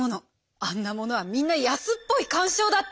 「あんなものはみんな安っぽい感傷だって！」。